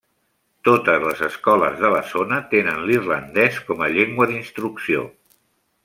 Totes les escoles de la zona tenen l'irlandès com a llengua d'instrucció.